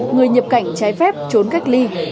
người nhập cảnh trái phép trốn cách ly